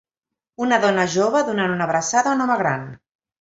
Una dona jove donant una abraçada a un home gran.